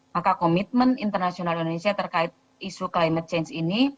maka komitmen internasional indonesia terkait isu climate change ini